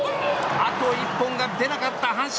あと１本が出なかった阪神。